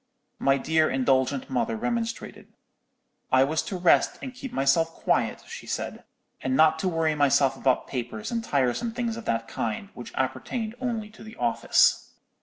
"My dear indulgent mother remonstrated: I was to rest and keep myself quiet, she said, and not to worry myself about papers and tiresome things of that kind, which appertained only to the office.